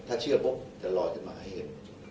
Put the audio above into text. ถ้าเชื่อปุ๊บจะลอยขึ้นมาให้เห็น